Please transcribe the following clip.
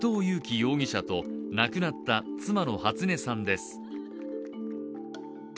容疑者と亡くなった妻の初音さんです。